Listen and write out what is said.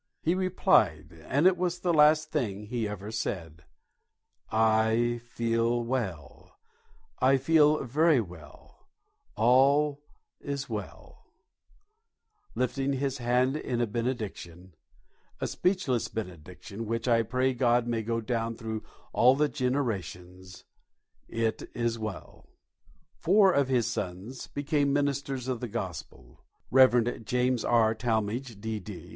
He replied and it was the last thing he ever said "I feel well; I feel very well; all is well" lifting his hand in a benediction, a speechless benediction, which I pray God may go down through all the generations "It is well!" Four of his sons became ministers of the Gospel: Reverend James R. Talmage, D.D.